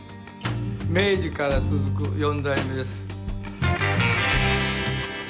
明治から続く４代目です。